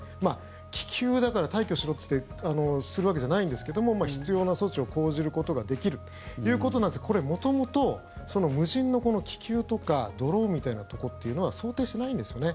気球だから退去しろって言ってするわけじゃないんですけども必要な措置を講じることができるということなんですがこれ、元々無人の気球とかドローンみたいなところというのは想定してないんですよね。